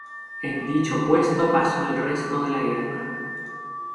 En dicho puesto pasó el resto de la guerra.